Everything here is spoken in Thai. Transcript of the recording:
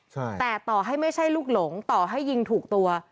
ใช่แต่ต่อให้ไม่ใช่ลูกหลงต่อให้ยิงถูกตัว